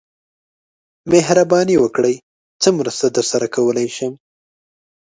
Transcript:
مهرباني وکړئ څه مرسته درسره کولای شم